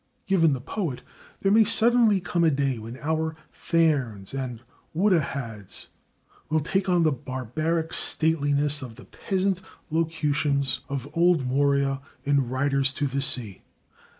Given the poet, there may suddenly come a day when our /theirns/ and /would'a hads/ will take on the barbaric stateliness of the peasant locutions of old Maurya in "Riders to the Sea."